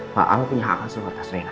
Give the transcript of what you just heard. pak al punya hak atas reina